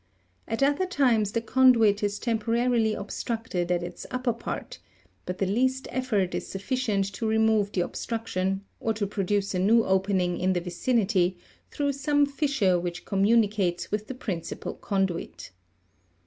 At other times the conduit is temporarily obstructed at its upper part ; but the least effort is sufficient to remove the ob struction, or to produce a new opening in the vicinity, through some fissure which communicates with the principal conduit (Jjg> 187).